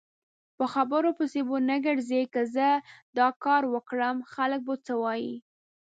په خبرو پسې به نه ګرځی که زه داکاروکړم خلک به څه وایي؟